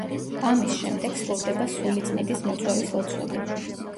ამის შემდეგ სრულდება სული წმიდის მოწვევის ლოცვები.